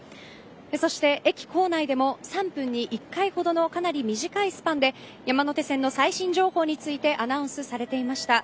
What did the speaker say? そして駅構内でも３分に１回ほどのかなり短いスパンで山手線の最新情報についてアナウンスされていました。